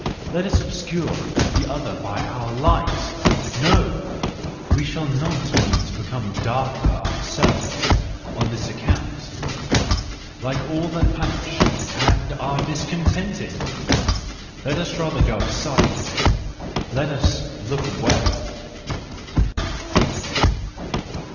Let us obscure the other by our light! No ! We do not mean to become darker ourselves on his account, like all that punish and are discontented ! Let us rather go aside ! Let us look away